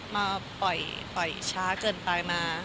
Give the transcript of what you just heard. มาปล่อยช้าเกินไปมา